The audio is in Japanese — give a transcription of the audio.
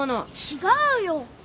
違うよ。